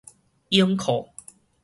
泳褲